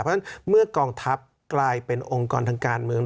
เพราะฉะนั้นเมื่อกองทัพกลายเป็นองค์กรทางการเมือง